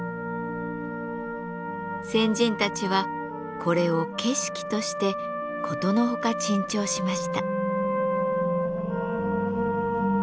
先人たちはこれを景色として殊の外珍重しました。